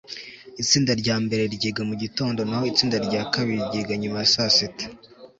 Itsinda rya mbere ryiga mugitondo naho itsinda rya kabiri ryiga nyuma ya saa sita